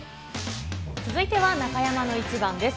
続いては中山のイチバンです。